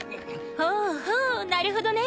ほうほうなるほどね。